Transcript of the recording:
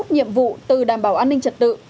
để giúp nhiệm vụ từ đảm bảo an ninh trật tự